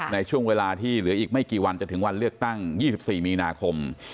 ในช่วงเวลาที่เหลืออีกไม่กี่วันจะถึงวันเลือกตั้ง๒๔มีนาคม